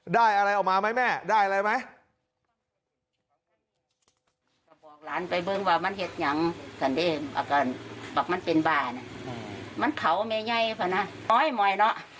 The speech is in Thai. ได้อะไรออกมามั้ยแม่ได้อะไรมั้ย